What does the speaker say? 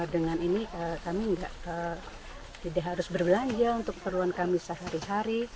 dengan ini kami tidak harus berbelanja untuk keperluan kami sehari hari